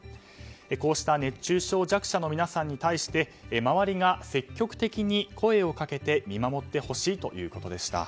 こうした熱中症弱者の皆さんに対して周りが積極的に声をかけて見守ってほしいということでした。